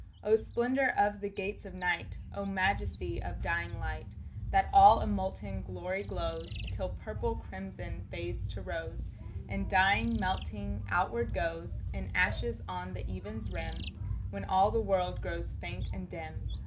O splendor of the gates of night! O majesty of dying light That all a molten glory glows, Till purple crimson fades to rose And dying, melting, outward goes In ashes on the even's rim, When all the world grows faint and dim!